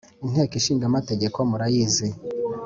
Inteko Ishinga Amategeko murayizi